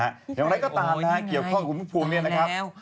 อย่างไรก็ตามนะฮะเกี่ยวข้องกับคุณภูมิเนี่ยนะครับ